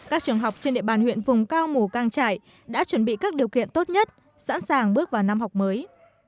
các trường học trên địa bàn huyện vùng cao mù cang trải đã chuẩn bị các điều kiện tốt nhất sẵn sàng bước vào năm học mới